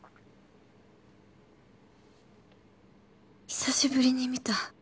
久しぶりに見た。